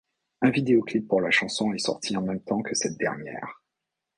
Un vidéoclip pour la chanson est sorti en même temps que cette dernière.